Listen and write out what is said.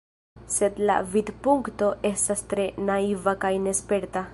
Sed la vidpunkto estas tre naiva kaj nesperta.